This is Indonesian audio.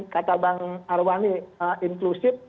kata bang arwani inklusif